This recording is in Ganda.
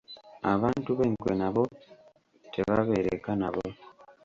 Abantu b'enkwe nabo tebabeereka nabo.